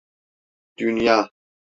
Dünya?